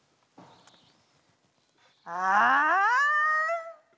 ああ？